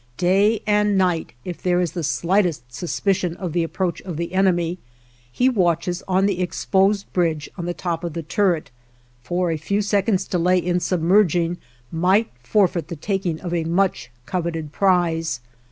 Day and night, if there is the slightest suspicion of the approach of the enemy, he watches on the exposed bridge on the top of the turret; for a few seconds' delay in submerging might forfeit the taking of a much coveted prize.